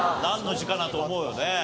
なんの字かなと思うよね。